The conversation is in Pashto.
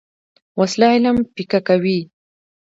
وسله علم پیکه کوي